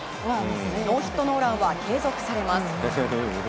ノーヒットノーランは継続されます。